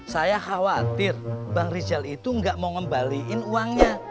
saya khawatir bang rizal itu enggak mau ngembalikan uangnya